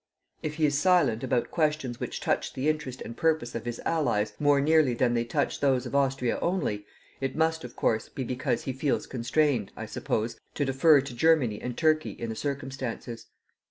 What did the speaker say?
If he is silent about questions which touch the interest and purpose of his Allies more nearly than they touch those of Austria only, it must, of course, be because he feels constrained, I suppose, to defer to Germany and Turkey in the circumstances.